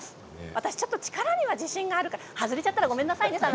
私は力には自信があるから外れちゃったらごめんなさいね。